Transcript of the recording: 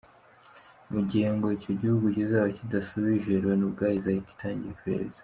Mu gihe ngo icyo gihugu kizaba kidasubije, Loni ubwayo izahita itangira iperereza.